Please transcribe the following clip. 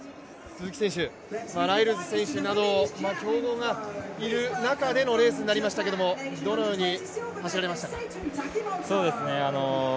鈴木選手、ライルズ選手など強豪がいる中でのレースになりましたけれどもどのように走られましたか？